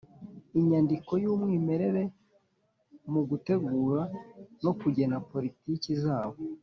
inyandiko y'umwimerere mu gutegura no kugena politiki zabo